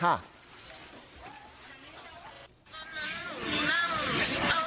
ตอนนั้นหนูนั่งเอาหนังสั่งออกจากครูแล้วทีนี้ฟ้ามันก็ลงมาแล้วหนูก็ได้กลิ่นใหม่